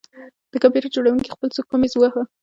د کمپیوټر جوړونکي خپل سوک په میز وواهه